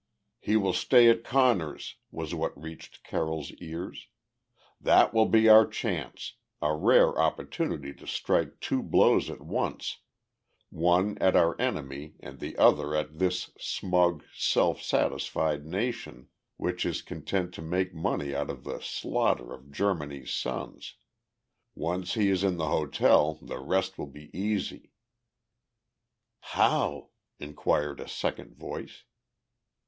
"He will stay at Conner's" was what reached Carroll's ears. "That will be our chance a rare opportunity to strike two blows at once, one at our enemy and the other at this smug, self satisfied nation which is content to make money out of the slaughter of Germany's sons. Once he is in the hotel, the rest will be easy." "How?" inquired a second voice.